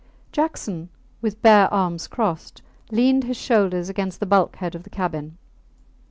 Jackson, with bare arms crossed, leaned his shoulders against the bulkhead of the cabin.